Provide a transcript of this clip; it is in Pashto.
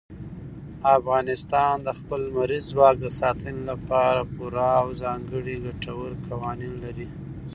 افغانستان د خپل لمریز ځواک د ساتنې لپاره پوره او ځانګړي ګټور قوانین لري.